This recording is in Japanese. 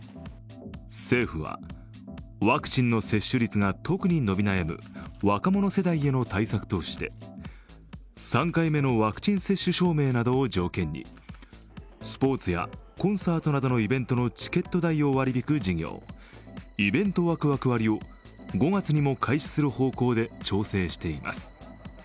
政府は、ワクチンの接種率が特に伸び悩む若者世代への対策として、３回目のワクチン接種証明などを条件にスポーツやコンサートなどのイベントのチケット代を割り引く事業、イベントワクワク割を５月にも開始する方向で調整しています。